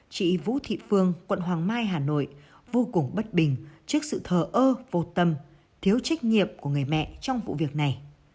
chị vũ thị phương quận hoàng mai hà nội vô cùng bất bình trước sự thờ ơ vô tâm thiếu trách nhiệm của người mẹ trong vụ việc này